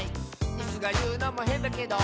「イスがいうのもへんだけど」